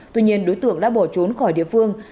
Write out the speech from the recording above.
tuy nhiên đối tượng đã bỏ trốn khỏi địa phương